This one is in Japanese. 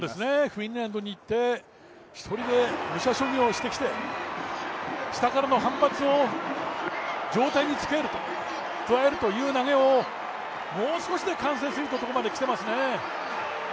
フィンランドに行って、一人で武者修行してからの反発、下からの反発を上体に加えるという投げをもう少しで完成させるところまできてますね。